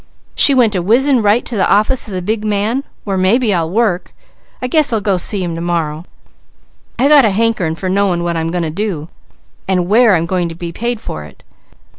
She went a whizzing right to the office of the big man, where maybe I'll work; I guess I'll go see him tomorrow, I got a hankering for knowing what I'm going to do, and where I'm going to be paid for it.